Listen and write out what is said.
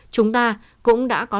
chúng ta cũng đã có